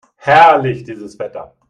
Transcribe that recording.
Herrlich, dieses Wetter!